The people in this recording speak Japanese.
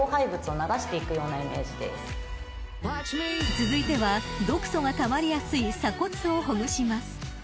［続いては毒素がたまりやすい鎖骨をほぐします］